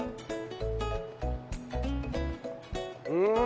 うん！